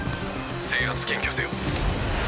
制圧検挙せよ。